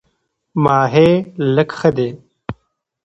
ماهی لږ ښه دی.